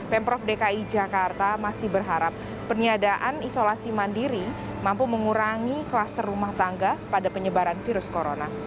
pemprov dki jakarta masih berharap peniadaan isolasi mandiri mampu mengurangi kluster rumah tangga pada penyebaran virus corona